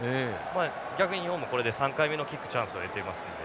あ逆に日本もこれで３回目のキックチャンスを得ていますので。